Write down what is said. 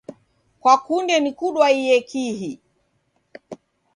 Kwakunde nikudwaiye kihi?